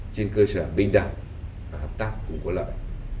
trên cơ sở bình đẳng và hợp tác cùng có lợi